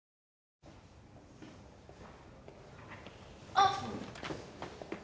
あっ！